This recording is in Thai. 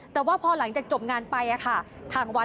แต่ว่าพอหลังจากจบงานไปค่ะ